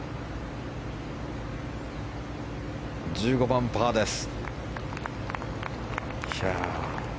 １５番、パーです。